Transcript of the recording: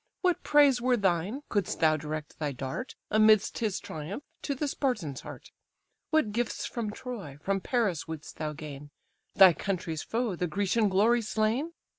What praise were thine, couldst thou direct thy dart, Amidst his triumph, to the Spartan's heart? What gifts from Troy, from Paris wouldst thou gain, Thy country's foe, the Grecian glory slain?